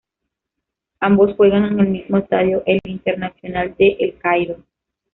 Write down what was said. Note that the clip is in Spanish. Ambos juegan en el mismo estadio, el Internacional de El Cairo.